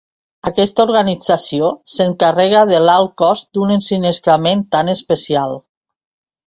Aquesta organització s'encarrega de l'alt cost d'un ensinistrament tan especial.